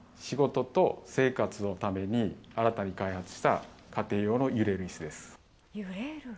仕事と生活のために新たに開発した家庭用の揺れる椅子です。